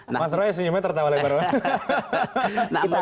mas roya senyumnya tertawa lagi baru